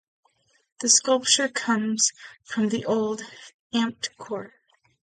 The sculpture comes from the old "Amt" court.